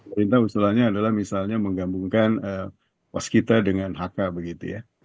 perintah usulannya adalah misalnya menggabungkan waskita dengan hk begitu ya